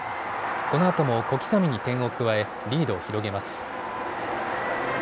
このあとも小刻みに点を加え、リードを広げます。